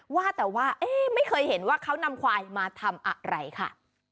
ว่าแต่ว่าไม่เคยเห็นว่าเขานำควายมาทำอะไรค่ะ